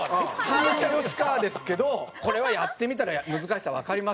反射吉川ですけどこれはやってみたら難しさわかりますから。